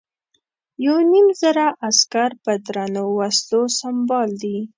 یو نیم زره عسکر په درنو وسلو سمبال دي.